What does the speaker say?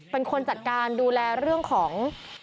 เป็นคนจัดการดูแลเรื่องของ